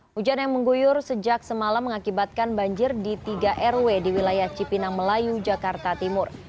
hujan yang mengguyur sejak semalam mengakibatkan banjir di tiga rw di wilayah cipinang melayu jakarta timur